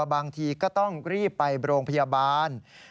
บางทีก็ต้องรีบไปโรงพยาบาล